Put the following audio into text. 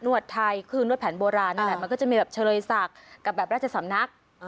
วดไทยคือนวดแผนโบราณนั่นแหละมันก็จะมีแบบเฉลยศักดิ์กับแบบราชสำนัก